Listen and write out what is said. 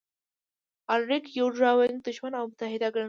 الاریک یو ډاروونکی دښمن او متحد ګڼل کېده